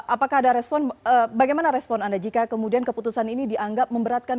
apakah ada respon bagaimana respon anda jika kemudian keputusan ini dianggap memberatkan